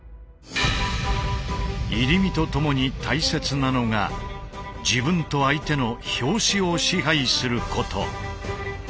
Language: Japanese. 「入身」とともに大切なのが自分と相手の「拍子」を支配すること。